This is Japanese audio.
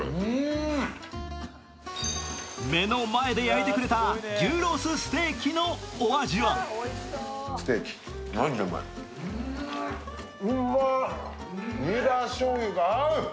目の前で焼いてくれた牛ロースステーキのお味はうんまっ。